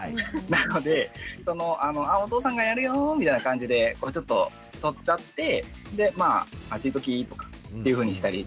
なので「あお父さんがやるよ」みたいな感じでちょっと取っちゃってでまああっち行っておきっていうふうにしたり。